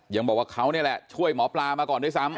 ยังบอกว่าเขานี่แหละช่วยหมอปลามาก่อนด้วยซ้ำ